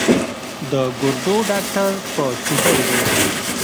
د ګردو ډاکټر په چوټۍ دی